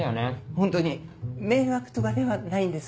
ホントに迷惑とかではないんです。